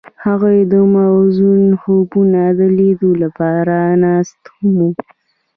هغوی د موزون خوبونو د لیدلو لپاره ناست هم وو.